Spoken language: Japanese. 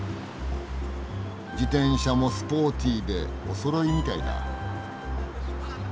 自転車もスポーティーでおそろいみたいだ。